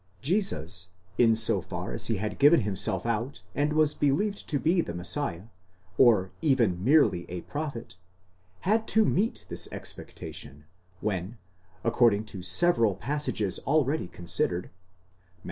Jesus, in so far as he had given himself out and was believed to be the Messiah, or even merely a prophet, had to meet this expectation when, according to several passages already considered (Matt.